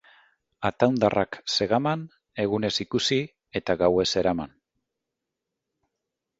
Ataundarrak Zegaman, egunez ikusi eta gauez eraman.